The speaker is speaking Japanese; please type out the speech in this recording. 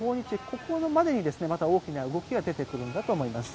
ここまでにまた大きな動きが出てくるんだと思います。